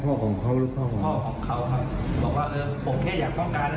พ่อของเขาหรือพ่อของพ่อของเขาครับบอกว่าเออผมแค่อยากป้องกัน